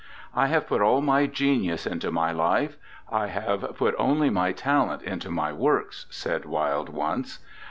'I have put all my genius into my life; I have put only my talent into my works,' said Wilde once.